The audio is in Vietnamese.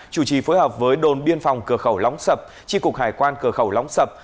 chủ trì phối hợp với đồn biên phòng cửa khẩu lóng sập tri cục hải quan cửa khẩu lóng sập